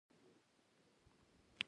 هغې څنګه خپل ويښته شکول.